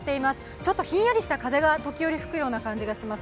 ちょっとひんやりした風が時折吹くような感じがします。